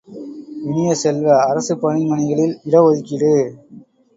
இனிய செல்வ, அரசுப்பணி மனைகளில் இட ஒதுக்கீடு!